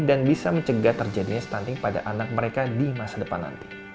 dan bisa mencegah terjadinya stunting pada anak mereka di masa depan nanti